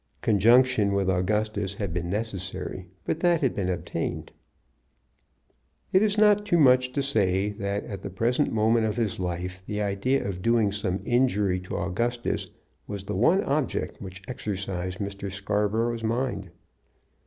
Conjunction with Augustus had been necessary, but that had been obtained. It is not too much to say that, at the present moment of his life, the idea of doing some injury to Augustus was the one object which exercised Mr. Scarborough's mind.